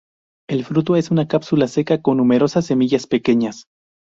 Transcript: El fruto es una cápsula seca con numerosas semillas pequeñas.